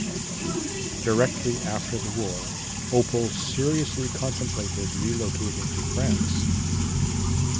Directly after the war Oppel seriously contemplated relocating to France.